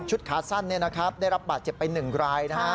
ขาสั้นได้รับบาดเจ็บไป๑รายนะฮะ